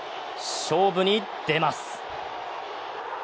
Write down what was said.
勝負に出ます。